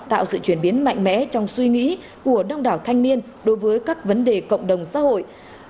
tạo sự chuyển biến mạnh mẽ trong suy nghĩ của đông đảo thanh niên đối với các vấn đề cộng đồng xã hội